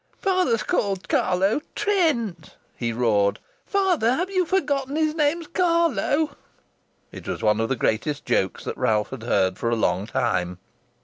"Father's called 'Carlo' 'Trent,'" he roared. "Father, have you forgotten his name's 'Carlo'?" It was one of the greatest jokes that Ralph had heard for a long time.